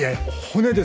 骨